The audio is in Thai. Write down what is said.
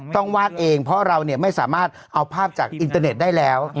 วาดเองเพราะเราไม่สามารถเอาภาพจากอินเตอร์เน็ตได้แล้ว